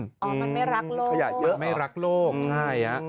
อ๋อมันไม่รักโลกขยะเยอะไม่รักโลกใช่ฮะ